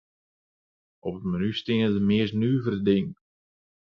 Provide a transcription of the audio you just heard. Op it menu steane de meast nuvere dingen.